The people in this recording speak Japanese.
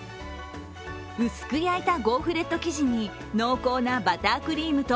薄く焼いたゴーフレット生地に、濃厚なバタークリームと